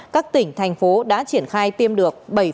các tỉnh thành phố đã triển khai tiêm được